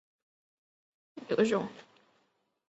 鲜绿凸轴蕨为金星蕨科凸轴蕨属下的一个种。